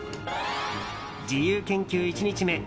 自由研究１日目。